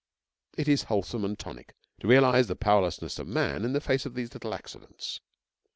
It is wholesome and tonic to realise the powerlessness of man in the face of these little accidents.